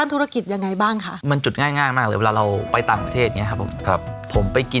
โปรดติดตามต่อไป